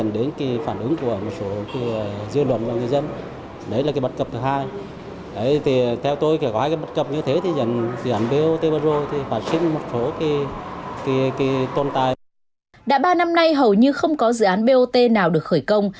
đã ba năm nay hầu như không có dự án bot nào được khởi công